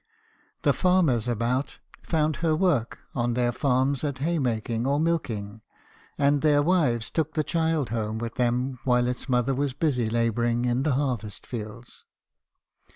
The farmers about found her work on their farms at haymaking or milking, ancl their wives took the child home with them while its mother was busy labouring in the harvest fields.